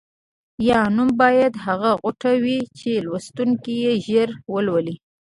یا نوم باید هغه غوټه وي چې لوستونکی یې ژر ولولي.